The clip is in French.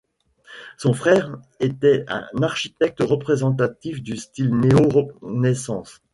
Son frère était un architecte représentatif du style néo-Renaissance.